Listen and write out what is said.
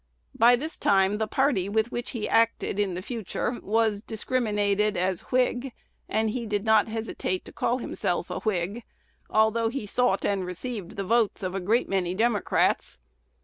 By this time the party with which he acted in the future was "discriminated as Whig;" and he did not hesitate to call himself a Whig, although he sought and received the votes of a great many Democrats.